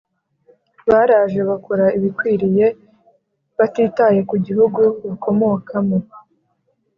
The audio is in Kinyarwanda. Baraje bakora ibikwiriye batitaye ku gihugu bakomokamo